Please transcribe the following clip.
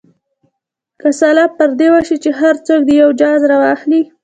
که سلا پر دې وشي چې هر څوک دې یو جز راواخلي.